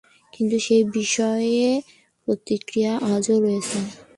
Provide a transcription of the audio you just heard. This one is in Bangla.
কিন্তু সেই বিষের প্রতিক্রিয়া আজও রয়েছে।